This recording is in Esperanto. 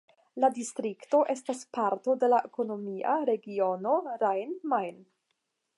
La distrikto estas parto de la ekonomia regiono Rhein-Main.